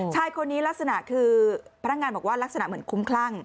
ชายคนนี้ลักษณะคือพนักงานบอกว่าลักษณะเหมือนคุ้มคลั่ง